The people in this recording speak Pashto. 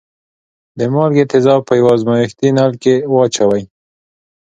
د مالګې تیزاب په یوه ازمیښتي نل کې واچوئ.